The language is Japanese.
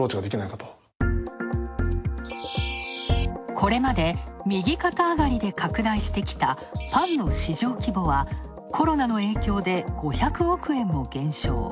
これまで右肩上がりで拡大してきたパンの市場規模は、コロナの影響で５００億円も減少。